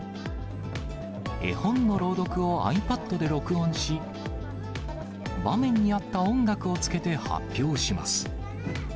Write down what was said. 絵本の朗読をｉＰａｄで録音し、場面に合った音楽をつけて発表します。